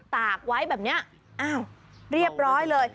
ตากไว้แบบนี้อ้าวเรียบร้อยเลย